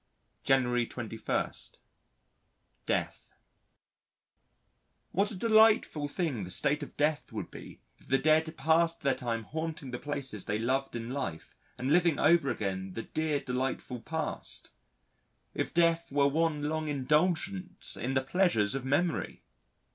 January 21. Death What a delightful thing the state of Death would be if the dead passed their time haunting the places they loved in life and living over again the dear delightful past if death were one long indulgence in the pleasures of memory!